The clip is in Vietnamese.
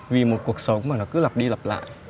vì một cuộc sống mà nó cứ lặp đi lặp lại